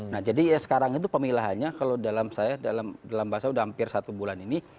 nah jadi sekarang itu pemilahannya kalau dalam saya dalam bahasa sudah hampir satu bulan ini